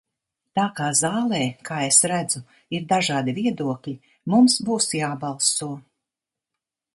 Tā kā zālē, kā es redzu, ir dažādi viedokļi, mums būs jābalso.